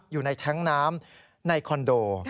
อยู่ในแท้งน้ำในคอนโด